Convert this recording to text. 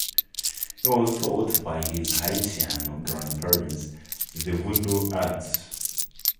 He was taught by his Haitian grandparents the voodoo arts.